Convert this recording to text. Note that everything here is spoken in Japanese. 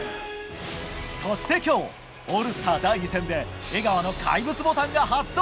そして今日オールスター第２戦で江川の怪物ボタンが発動。